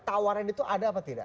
tawaran itu ada apa tidak